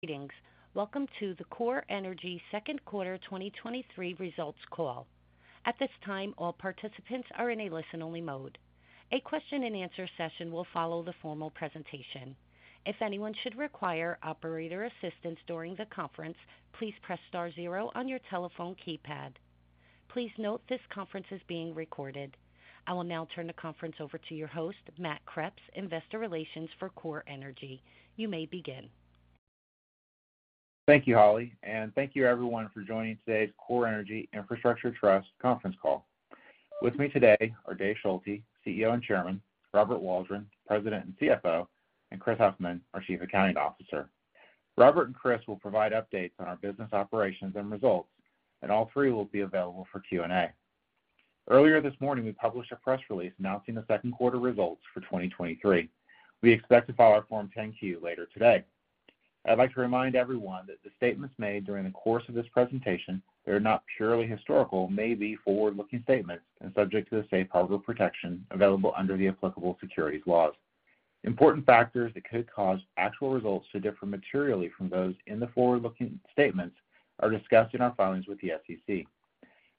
Greetings. Welcome to the CorEnergy second quarter 2023 results call. At this time, all participants are in a listen-only mode. A question-and-answer session will follow the formal presentation. If anyone should require operator assistance during the conference, please press star zero on your telephone keypad. Please note this conference is being recorded. I will now turn the conference over to your host, Matt Kreps, Investor Relations for CorEnergy. You may begin. Thank you, Holly, and thank you everyone for joining today's CorEnergy Infrastructure Trust, Inc. conference call. With me today are David Schulte, CEO and Chairman, Robert Waldron, President and CFO, and Chris Huffman, our Chief Accounting Officer. Robert and Chris will provide updates on our business operations and results. All three will be available for Q&A. Earlier this morning, we published a press release announcing the second quarter results for 2023. We expect to file our Form 10-Q later today. I'd like to remind everyone that the statements made during the course of this presentation that are not purely historical, may be forward-looking statements and subject to the safe harbor protection available under the applicable securities laws. Important factors that could cause actual results to differ materially from those in the forward-looking statements are discussed in our filings with the SEC.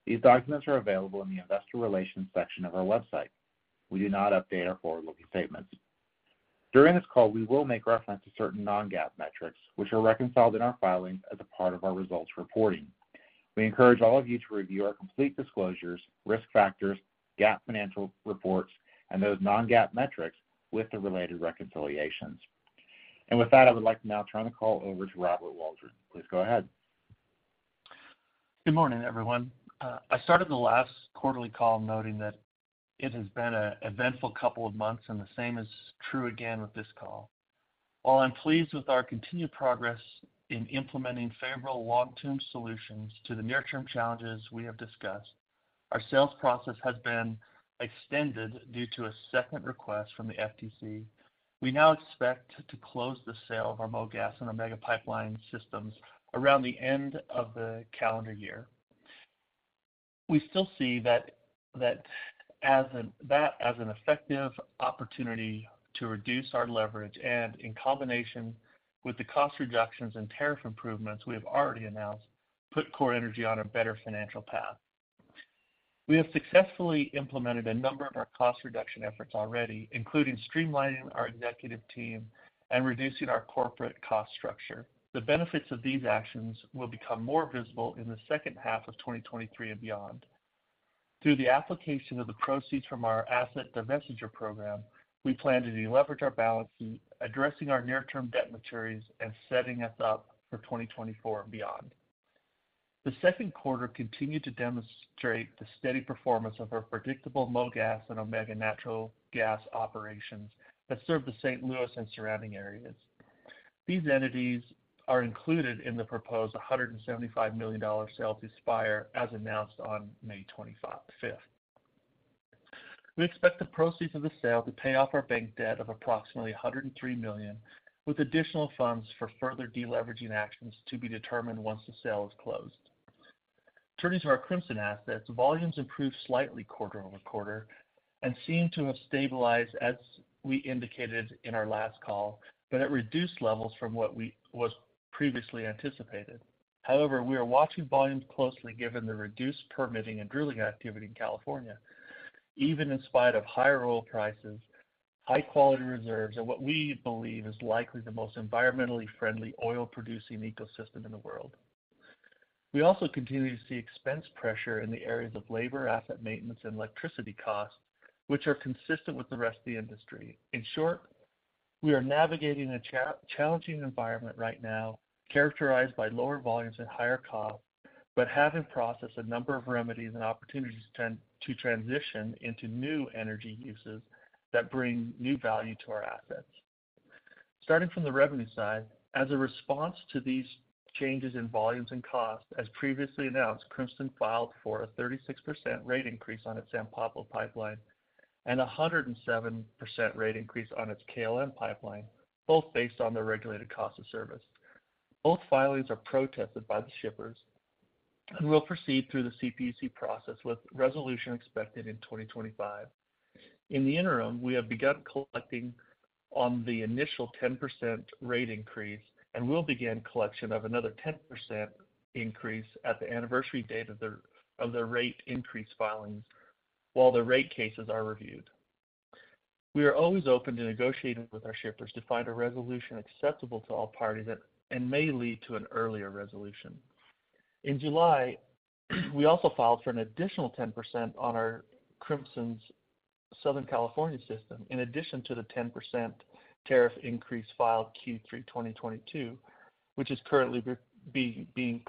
These documents are available in the Investor Relations section of our website. We do not update our forward-looking statements. During this call, we will make reference to certain non-GAAP metrics, which are reconciled in our filings as a part of our results reporting. We encourage all of you to review our complete disclosures, risk factors, GAAP financial reports, and those non-GAAP metrics with the related reconciliations. With that, I would like to now turn the call over to Robert Waldron. Please go ahead. Good morning, everyone. I started the last quarterly call noting that it has been an eventful couple of months, and the same is true again with this call. While I'm pleased with our continued progress in implementing favorable long-term solutions to the near-term challenges we have discussed, our sales process has been extended due to a second request from the FTC. We now expect to close the sale of our MoGas and Omega pipeline systems around the end of the calendar year. We still see that as an effective opportunity to reduce our leverage, and in combination with the cost reductions and tariff improvements we have already announced, put CorEnergy on a better financial path. We have successfully implemented a number of our cost reduction efforts already, including streamlining our executive team and reducing our corporate cost structure. The benefits of these actions will become more visible in the second half of 2023 and beyond. Through the application of the proceeds from our asset divestiture program, we plan to deleverage our balance sheet, addressing our near-term debt maturities and setting us up for 2024 and beyond. The second quarter continued to demonstrate the steady performance of our predictable MoGas and Omega natural gas operations that serve the St. Louis and surrounding areas. These entities are included in the proposed $175 million sale to Spire, as announced on May 25th. We expect the proceeds of the sale to pay off our bank debt of approximately $103 million, with additional funds for further deleveraging actions to be determined once the sale is closed. Turning to our Crimson assets, volumes improved slightly quarter-over-quarter and seem to have stabilized, as we indicated in our last call, but at reduced levels from what we was previously anticipated. However, we are watching volumes closely, given the reduced permitting and drilling activity in California, even in spite of higher oil prices, high-quality reserves, and what we believe is likely the most environmentally friendly oil-producing ecosystem in the world. We also continue to see expense pressure in the areas of labor, asset maintenance, and electricity costs, which are consistent with the rest of the industry. In short, we are navigating a challenging environment right now, characterized by lower volumes and higher costs, but have in process a number of remedies and opportunities to transition into new energy uses that bring new value to our assets. Starting from the revenue side, as a response to these changes in volumes and costs, as previously announced, Crimson filed for a 36% rate increase on its San Pablo Pipeline and a 107% rate increase on its KLM Pipeline, both based on the regulated cost of service. Both filings are protested by the shippers and will proceed through the CPUC process, with resolution expected in 2025. In the interim, we have begun collecting on the initial 10% rate increase and will begin collection of another 10% increase at the anniversary date of the rate increase filings while the rate cases are reviewed. We are always open to negotiating with our shippers to find a resolution acceptable to all parties and may lead to an earlier resolution. In July, we also filed for an additional 10% on our Crimson's Southern California system, in addition to the 10% tariff increase filed Q3 2022, which is currently being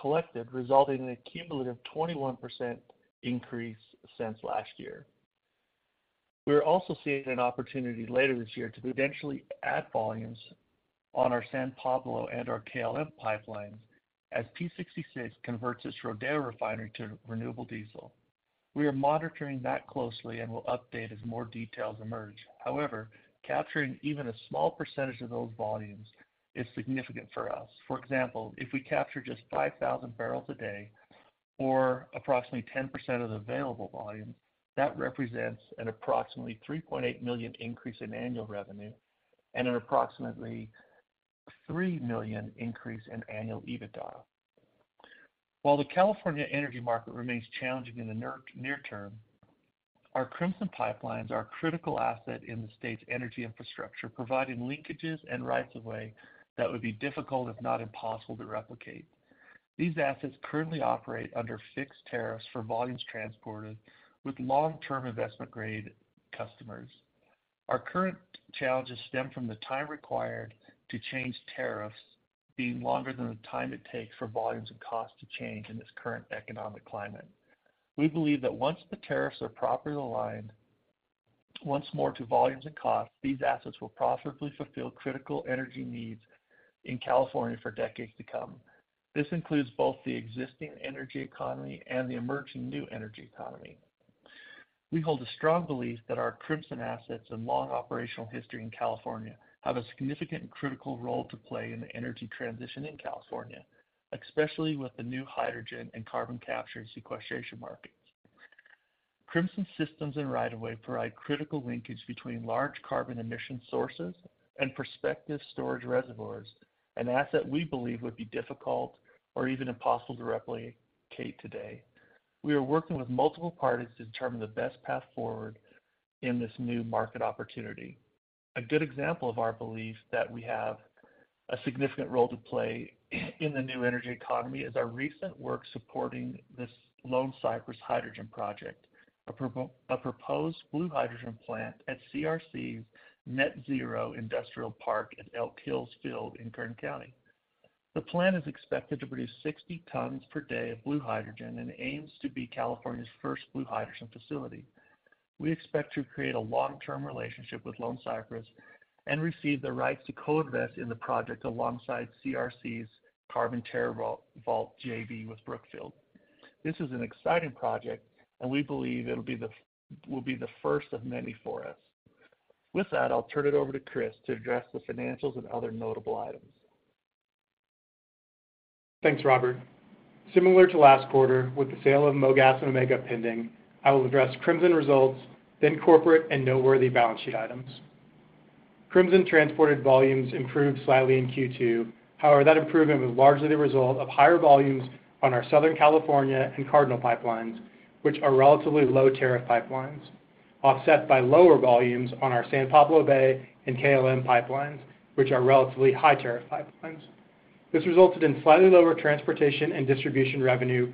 collected, resulting in a cumulative 21% increase since last year. We are also seeing an opportunity later this year to potentially add volumes on our San Pablo and our KLM pipelines as Phillips 66 converts its Rodeo refinery to renewable diesel. We are monitoring that closely and will update as more details emerge. However, capturing even a small percentage of those volumes is significant for us. For example, if we capture just 5,000 barrels a day, or approximately 10% of the available volume, that represents an approximately $3.8 million increase in annual revenue and an approximately $3 million increase in annual EBITDA. While the California energy market remains challenging in the near term, our Crimson pipelines are a critical asset in the state's energy infrastructure, providing linkages and rights of way that would be difficult, if not impossible, to replicate. These assets currently operate under fixed tariffs for volumes transported with long-term investment grade customers. Our current challenges stem from the time required to change tariffs being longer than the time it takes for volumes and costs to change in this current economic climate. We believe that once the tariffs are properly aligned once more to volumes and costs, these assets will profitably fulfill critical energy needs in California for decades to come. This includes both the existing energy economy and the emerging new energy economy. We hold a strong belief that our Crimson assets and long operational history in California have a significant and critical role to play in the energy transition in California, especially with the new hydrogen and carbon capture and sequestration markets. Crimson systems and right of way provide critical linkage between large carbon emission sources and prospective storage reservoirs, an asset we believe would be difficult or even impossible to replicate today. We are working with multiple parties to determine the best path forward in this new market opportunity. A good example of our belief that we have a significant role to play in the new energy economy is our recent work supporting this Lone Cypress Hydrogen Project, a proposed blue hydrogen plant at CRC's Net Zero Industrial Park at Elk Hills Field in Kern County. The plant is expected to produce 60 tons per day of blue hydrogen and aims to be California's first blue hydrogen facility. We expect to create a long-term relationship with Lone Cypress and receive the rights to co-invest in the project alongside CRC's Carbon TerraVault JV with Brookfield. This is an exciting project, and we believe will be the first of many for us. With that, I'll turn it over to Chris to address the financials and other notable items. Thanks, Robert. Similar to last quarter, with the sale of MoGas and Omega pending, I will address Crimson results, then corporate and noteworthy balance sheet items. Crimson transported volumes improved slightly in Q2. That improvement was largely the result of higher volumes on our Southern California and Cardinal pipelines, which are relatively low-tariff pipelines, offset by lower volumes on our San Pablo Bay and KLM pipelines, which are relatively high-tariff pipelines. This resulted in slightly lower transportation and distribution revenue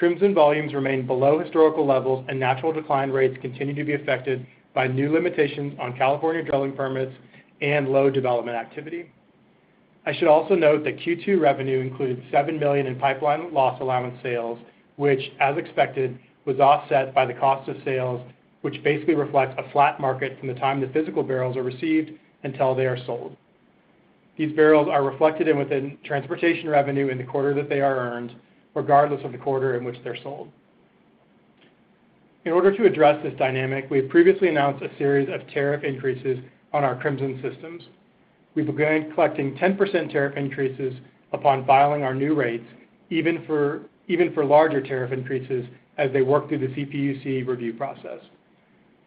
quarter-over-quarter. Crimson volumes remain below historical levels, and natural decline rates continue to be affected by new limitations on California drilling permits and low development activity. I should also note that Q2 revenue included $7 million in pipeline loss allowance sales, which, as expected, was offset by the cost of sales, which basically reflects a flat market from the time the physical barrels are received until they are sold. These barrels are reflected in within transportation revenue in the quarter that they are earned, regardless of the quarter in which they're sold. In order to address this dynamic, we have previously announced a series of tariff increases on our Crimson systems. We began collecting 10% tariff increases upon filing our new rates, even for larger tariff increases as they work through the CPUC review process.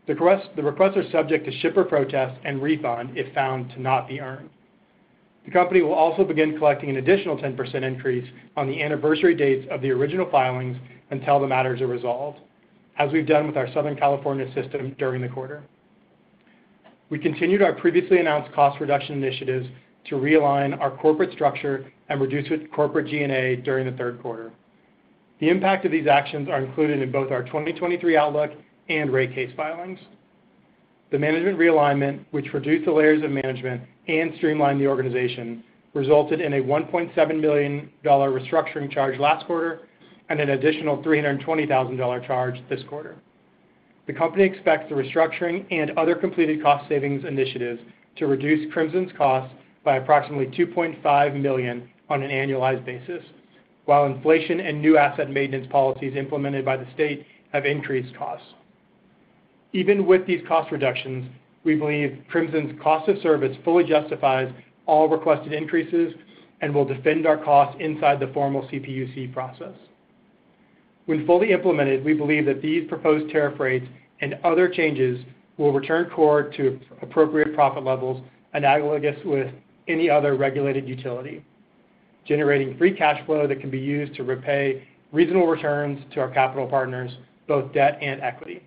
The requests are subject to shipper protests and refund if found to not be earned. The company will also begin collecting an additional 10% increase on the anniversary dates of the original filings until the matters are resolved, as we've done with our Southern California system during the quarter. We continued our previously announced cost reduction initiatives to realign our corporate structure and reduce corporate G&A during the third quarter. The impact of these actions are included in both our 2023 outlook and rate case filings. The management realignment, which reduced the layers of management and streamlined the organization, resulted in a $1.7 million restructuring charge last quarter and an additional $320,000 charge this quarter. The company expects the restructuring and other completed cost savings initiatives to reduce Crimson's costs by approximately $2.5 million on an annualized basis, while inflation and new asset maintenance policies implemented by the state have increased costs. Even with these cost reductions, we believe Crimson's cost of service fully justifies all requested increases and will defend our costs inside the formal CPUC process. When fully implemented, we believe that these proposed tariff rates and other changes will return Core to appropriate profit levels, analogous with any other regulated utility, generating free cash flow that can be used to repay reasonable returns to our capital partners, both debt and equity.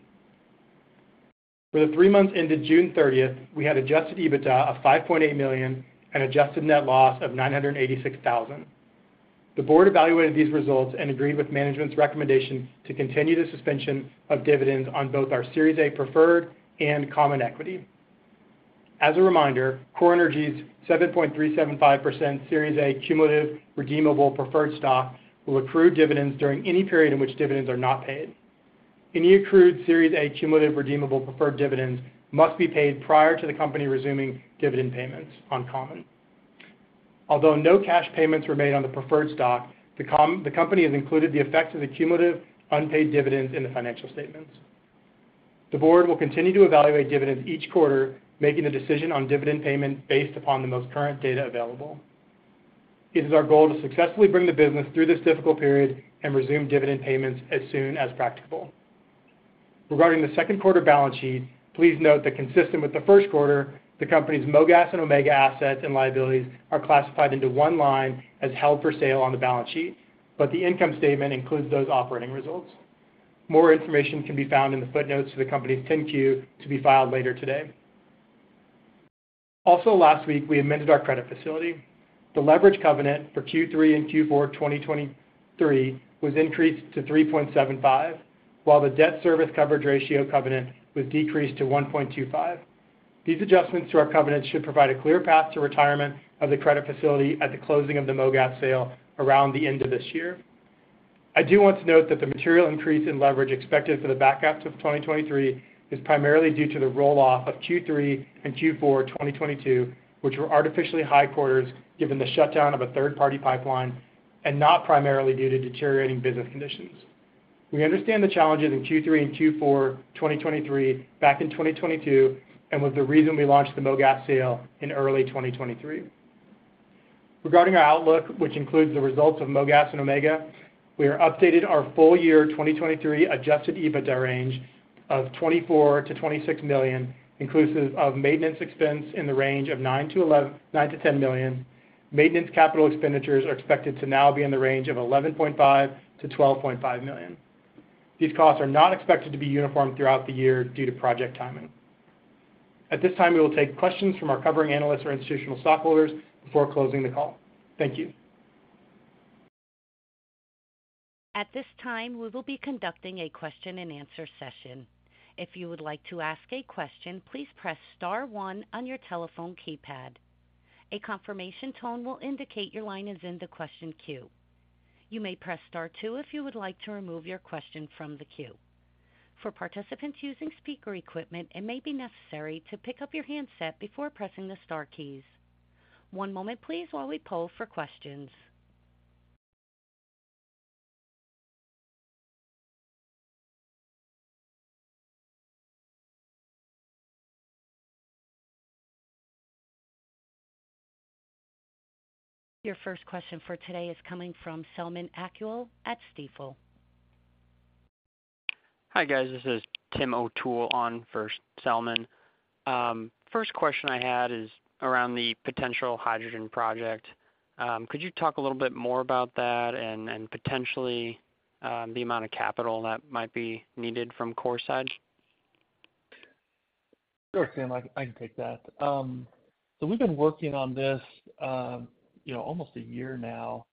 For the three months ended June thirtieth, we had Adjusted EBITDA of $5.8 million and adjusted net loss of $986,000. The board evaluated these results and agreed with management's recommendation to continue the suspension of dividends on both our Series A Preferred and common equity. As a reminder, CorEnergy's 7.375% Series A Cumulative Redeemable Preferred Stock will accrue dividends during any period in which dividends are not paid. Any accrued Series A Cumulative Redeemable Preferred dividends must be paid prior to the company resuming dividend payments on common. Although no cash payments were made on the preferred stock, the company has included the effect of the cumulative unpaid dividends in the financial statements. The board will continue to evaluate dividends each quarter, making a decision on dividend payment based upon the most current data available. It is our goal to successfully bring the business through this difficult period and resume dividend payments as soon as practicable. Regarding the second quarter balance sheet, please note that consistent with the first quarter, the company's MoGas and Omega assets and liabilities are classified into one line as held for sale on the balance sheet, but the income statement includes those operating results. More information can be found in the footnotes to the company's 10-Q, to be filed later today. Also last week, we amended our credit facility. The leverage covenant for Q3 and Q4, 2023 was increased to 3.75, while the debt service coverage ratio covenant was decreased to 1.25. These adjustments to our covenant should provide a clear path to retirement of the credit facility at the closing of the MoGas sale around the end of this year. I do want to note that the material increase in leverage expected for the back half of 2023 is primarily due to the roll-off of Q3 and Q4, 2022, which were artificially high quarters, given the shutdown of a third-party pipeline and not primarily due to deteriorating business conditions. We understand the challenges in Q3 and Q4, 2023, back in 2022, and was the reason we launched the MoGas sale in early 2023. Regarding our outlook, which includes the results of MoGas and Omega, we are updated our full year 2023 Adjusted EBITDA range of $24 million-$26 million, inclusive of maintenance expense in the range of $9 million-$10 million. Maintenance capital expenditures are expected to now be in the range of $11.5 million-$12.5 million. These costs are not expected to be uniform throughout the year due to project timing. At this time, we will take questions from our covering analysts or institutional stockholders before closing the call. Thank you. At this time, we will be conducting a question-and-answer session. If you would like to ask a question, please press star one on your telephone keypad. A confirmation tone will indicate your line is in the question queue. You may press Star two if you would like to remove your question from the queue. For participants using speaker equipment, it may be necessary to pick up your handset before pressing the star keys. One moment please, while we poll for questions. Your first question for today is coming from Selman Akyol at Stifel. Hi, guys. This is Tim O'Toole on for Selman. First question I had is around the potential hydrogen project. Could you talk a little bit more about that and, and potentially, the amount of capital that might be needed from CorEnergy? Sure, Tim, I, I can take that. We've been working on this, you know, almost one year now,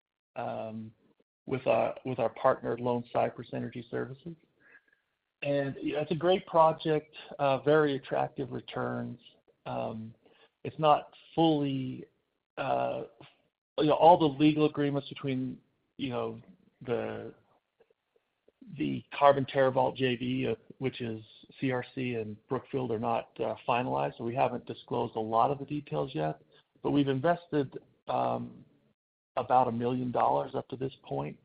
with our, with our partner, Lone Cypress Energy Services. It's a great project, very attractive returns. It's not fully... You know, all the legal agreements between the Carbon TerraVault JV, which is CRC and Brookfield, are not finalized, so we haven't disclosed a lot of the details yet. We've invested about $1 million up to this point,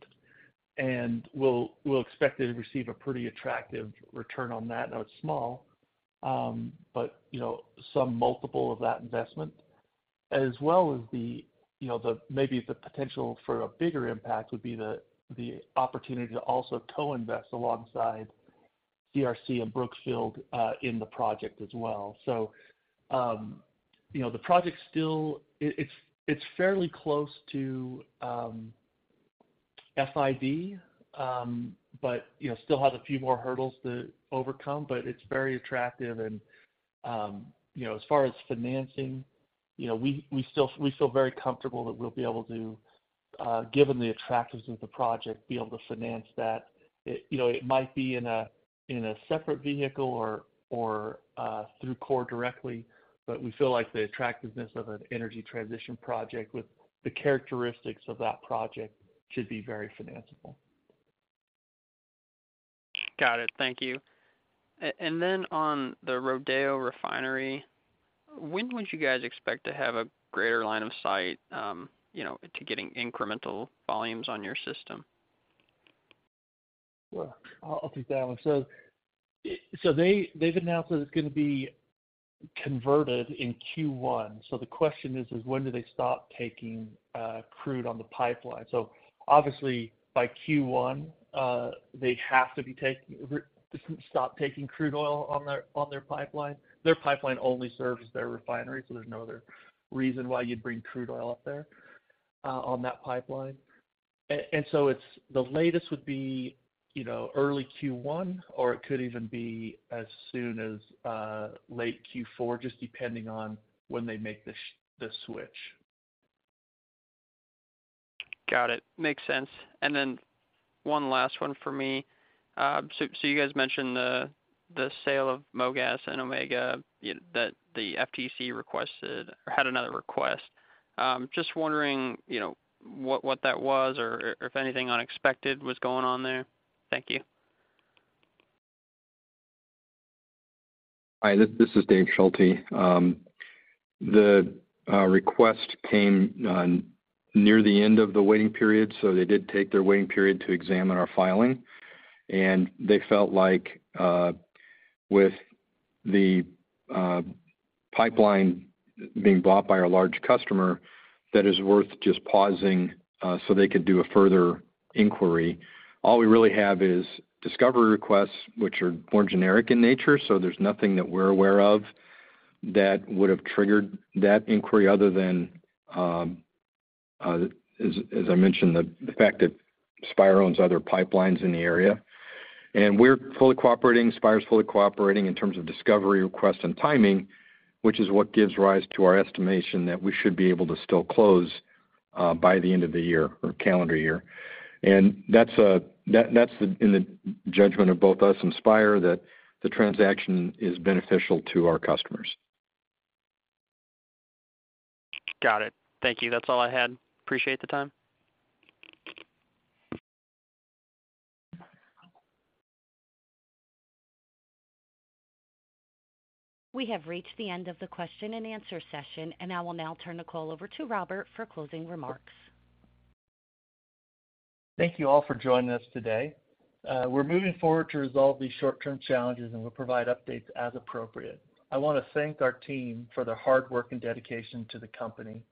and we'll, we'll expect to receive a pretty attractive return on that. Now, it's small, but some multiple of that investment as well as the, you know, the maybe the potential for a bigger impact would be the, the opportunity to also co-invest alongside CRC and Brookfield in the project as well. You know, the project still, it, it's, it's fairly close to FID, but, you know, still has a few more hurdles to overcome. But it's very attractive and, you know, as far as financing, you know, we, we still, we feel very comfortable that we'll be able to, given the attractiveness of the project, be able to finance that. It, you know, it might be in a, in a separate vehicle or, or, through CorEnergy directly, but we feel like the attractiveness of an energy transition project with the characteristics of that project should be very financeable. Got it. Thank you. On the Rodeo refinery, when would you guys expect to have a greater line of sight, you know, to getting incremental volumes on your system? Well, I'll take that one. They've announced that it's going to be converted in Q1. The question is, when do they stop taking crude on the pipeline? Obviously by Q1, they have to be taking stop taking crude oil on their, on their pipeline. Their pipeline only serves their refinery, so there's no other reason why you'd bring crude oil up there on that pipeline. It's, the latest would be, you know, early Q1, or it could even be as soon as late Q4, just depending on when they make the switch. Got it. Makes sense. One last one for me. You guys mentioned the, the sale of MoGas and Omega, that the FTC requested or had another request. Just wondering, you know, what that was or if anything unexpected was going on there? Thank you. Hi, this is David Schulte. The request came on near the end of the waiting period, they did take their waiting period to examine our filing, they felt like with the pipeline being bought by our large customer, that is worth just pausing so they could do a further inquiry. All we really have is discovery requests, which are more generic in nature, there's nothing that we're aware of that would have triggered that inquiry other than as I mentioned, the fact that Spire owns other pipelines in the area. We're fully cooperating, Spire is fully cooperating in terms of discovery, requests, and timing, which is what gives rise to our estimation that we should be able to still close by the end of the year or calendar year. That's the... In the judgment of both us and Spire, that the transaction is beneficial to our customers. Got it. Thank you. That's all I had. Appreciate the time. We have reached the end of the question and answer session, and I will now turn the call over to Robert for closing remarks. Thank you all for joining us today. We're moving forward to resolve these short-term challenges, and we'll provide updates as appropriate. I want to thank our team for their hard work and dedication to the company.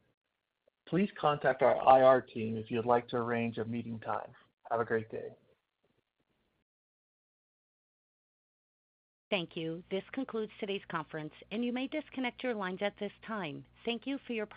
Please contact our IR team if you'd like to arrange a meeting time. Have a great day. Thank you. This concludes today's conference, and you may disconnect your lines at this time. Thank you for your participation.